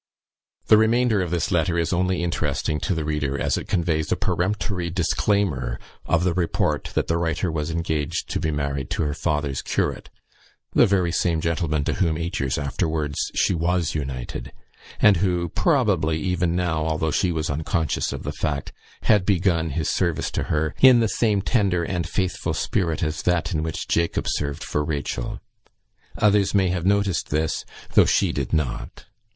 The remainder of this letter is only interesting to the reader as it conveys a peremptory disclaimer of the report that the writer was engaged to be married to her father's curate the very same gentleman to whom, eight years afterwards, she was united; and who, probably, even now, although she was unconscious of the fact, had begun his service to her, in the same tender and faithful spirit as that in which Jacob served for Rachel. Others may have noticed this, though she did not.